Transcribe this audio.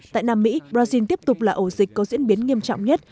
tại nam mỹ brazil tiếp tục là ổ dịch có diễn biến nghiêm trọng nhất